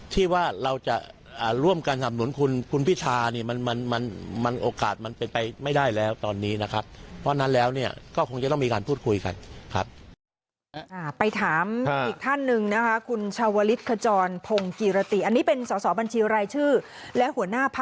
ถ้าเพื่อไทยเป็นแก้นำก็ต้องต่างแก้ให้สอดคล้องหรือเปล่า